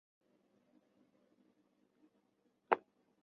画中的男子为该壁画的创作者。